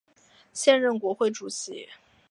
现任国会主席。